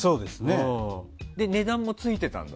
で、値段もついてたんだ。